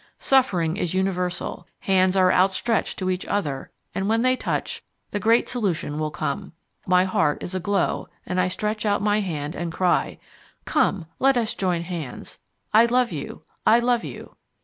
Suffering is universal; hands are outstretched to each other, and when they touch ... the great solution will come. My heart is aglow, and I stretch out my hand and cry, "Come, let us join hands! I love you, I love you!"